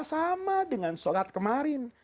sama dengan sholat kemarin